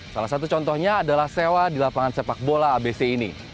salah satu contohnya adalah sewa di lapangan sepak bola abc ini